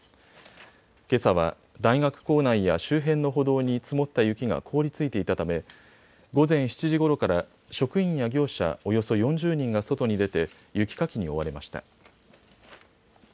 けさは大学構内や周辺の歩道に積もった雪が凍りついていたため午前７時ごろから職員や業者およそ４０人が外に出て雪かきに追われました。